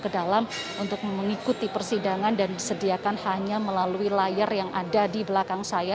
ke dalam untuk mengikuti persidangan dan disediakan hanya melalui layar yang ada di belakang saya